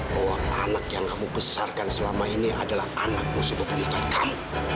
bahwa anak yang kamu kesarkan selama ini adalah anakmu sebut itu kamu